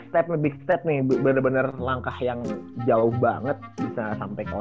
tapi ya intinya gue bakal